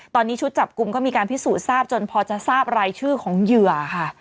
ตอนนี้ชุดจับกลุ่มก็มีการพิสูจน์ทราบจนพอจะทราบรายชื่อของเหยื่อค่ะ